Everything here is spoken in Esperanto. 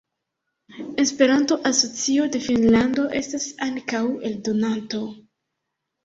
Esperanto-Asocio de Finnlando estas ankaŭ eldonanto.